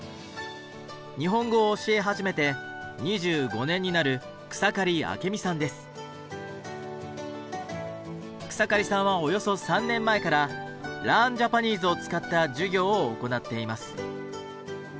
日本語を教え始めて２５年になる草刈さんはおよそ３年前から「ＬｅａｒｎＪａｐａｎｅｓｅ」を使った授業を行っています。